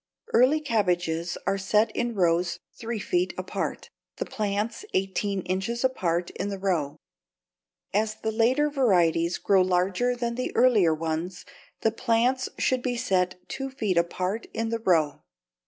Early cabbages are set in rows three feet apart, the plants eighteen inches apart in the row. As the later varieties grow larger than the earlier ones, the plants should be set two feet apart in the row.